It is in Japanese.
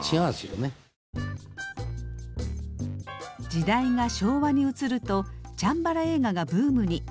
時代が昭和に移るとチャンバラ映画がブームに。